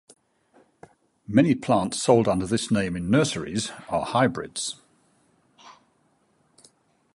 Many plants sold under this name in nurseries are hybrids.